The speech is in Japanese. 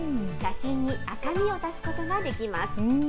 写真に赤みを出すことができます。